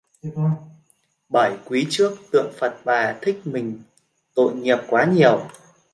Bởi quý trước tượng Phật Bà thích mình Tội nghiệp quá nhiều